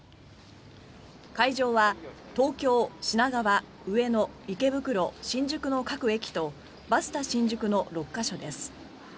会場は東京、品川、上野、池袋新宿の各駅とバスタ新宿の６か所です。